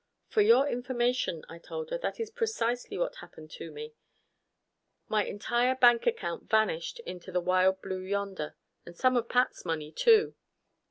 "For your information," I told her, "that is precisely what happened to me. My entire bank account vanished into the wild blue yonder. And some of Pat's money, too."